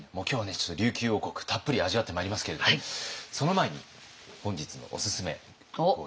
ちょっと琉球王国たっぷり味わってまいりますけれどもその前に本日のおすすめご用意いたしました。